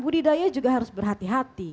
budidaya juga harus berhati hati